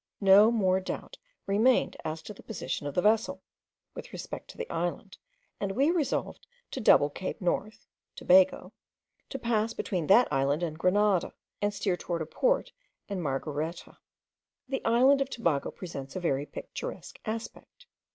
No more doubt remained as to the position of the vessel, with respect to the island, and we resolved to double Cape North (Tobago) to pass between that island and Grenada, and steer towards a port in Margareta. The island of Tobago presents a very picturesque aspect.